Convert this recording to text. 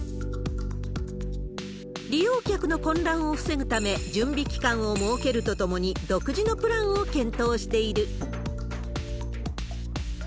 利用客の混乱を防ぐため、準備期間を設けるとともに、独自のプランを検討している。